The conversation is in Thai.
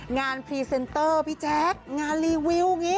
พรีเซนเตอร์พี่แจ๊คงานรีวิวอย่างนี้